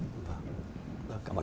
đó là một công nghệ